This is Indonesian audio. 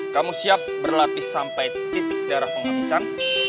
kamu siap berlapis sampai titik darah penghabisan